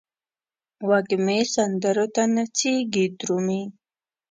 وږمې سندرو ته نڅیږې درومې